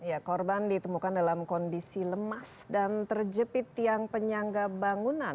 ya korban ditemukan dalam kondisi lemas dan terjepit tiang penyangga bangunan